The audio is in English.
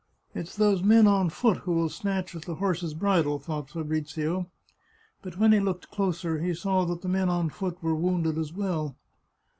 It's those men on foot who will snatch at the horse's 68 The Chartreuse of Parma bridle," thought Fabrizio ; but when he looked closer he saw that the men on foot were wounded as well.